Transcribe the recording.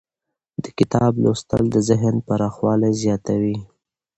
د کتاب لوستل د ذهن پراخوالی زیاتوي.